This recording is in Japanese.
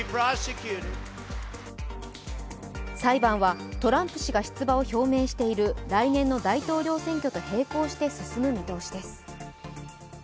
裁判はトランプ氏が出馬を表明している来年の大統領選挙と並行して進む見通しです。